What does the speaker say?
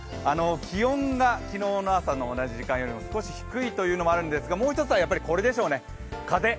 気温が昨日の朝の同じ時間より低いというものあるんですけどもう一つはこれでしょうね、風。